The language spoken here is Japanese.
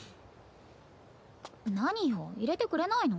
何よ入れてくれないの？